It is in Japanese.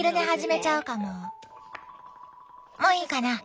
もういいかな？